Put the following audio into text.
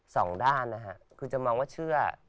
สองด้านนะฮะคือจะมองว่าเชื่อ